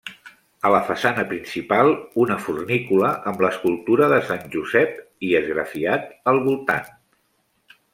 A la façana principal, una fornícula amb l'escultura de Sant Josep i esgrafiat al voltant.